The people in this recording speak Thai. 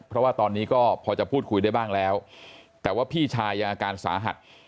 เพราะว่าตอนนี้ก็พอจะพูดคุยได้บ้างแล้วแต่ว่าพี่ชายยังอาการสาหัส